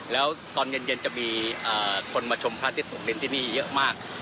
แล้วตอนเย็นจะมีคนมาชมพระอาทิตย์ตกดินที่นี่เยอะมาก